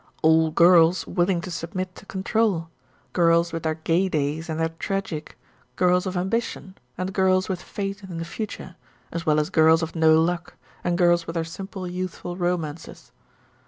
All girls willing to submit to control; girls with their gay days and their tragic, girls of ambition, and girls with faith in the future, as well as girls of no luck, and girls with their simple youthful romances.